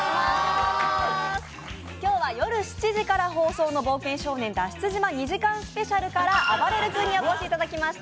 今日は夜７時から放送の「冒険少年脱出島２時間スペシャル」からあばれる君にお越しいただきました。